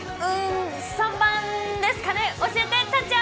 ３番ですかね。